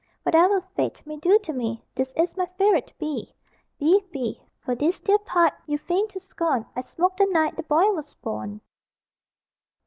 Whatever Fate May do to me, This is my favorite B B B. For this dear pipe You feign to scorn I smoked the night The boy was born."